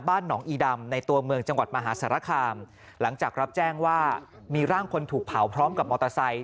หนองอีดำในตัวเมืองจังหวัดมหาสารคามหลังจากรับแจ้งว่ามีร่างคนถูกเผาพร้อมกับมอเตอร์ไซค